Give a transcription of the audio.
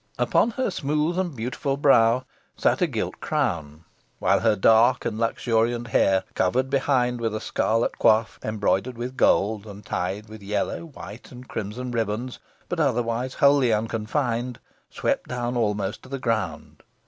Upon her smooth and beautiful brow sat a gilt crown, while her dark and luxuriant hair, covered behind with a scarlet coif, embroidered with gold; and tied with yellow, white, and crimson ribands, but otherwise wholly unconfirmed, swept down almost to the ground.